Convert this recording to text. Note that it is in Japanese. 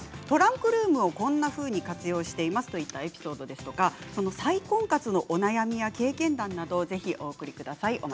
トランクルームをこんなふうに活用していますといったエピソードですとか再婚活のお悩み、経験談などぜひお送りください。